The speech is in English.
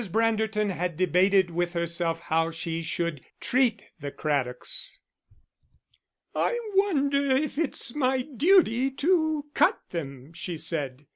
Branderton had debated with herself how she should treat the Craddocks. "I wonder if it's my duty to cut them," she said.